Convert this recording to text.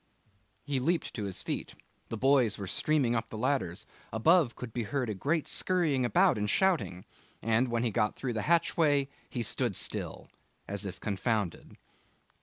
He leaped to his feet. The boys were streaming up the ladders. Above could be heard a great scurrying about and shouting, and when he got through the hatchway he stood still as if confounded.